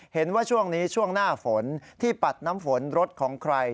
เห็นว่าช่วงนี้ช่วงหน้าฝนที่ปัดน้ำฝนรถของใคร